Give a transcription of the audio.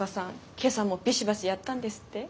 今朝もビシバシやったんですって？